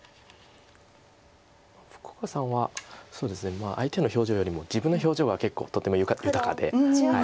福岡さんは相手の表情よりも自分の表情が結構とても豊かで。